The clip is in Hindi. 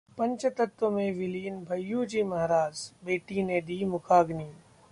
पंचतत्व में विलीन भय्यू जी महाराज, बेटी ने दी मुखाग्नि